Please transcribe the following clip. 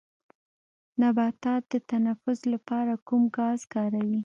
نباتات د تنفس لپاره کوم ګاز کاروي